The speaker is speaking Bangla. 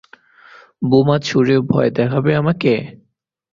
বোমা ছুড়ে ভয় দেখাবে আমাকে?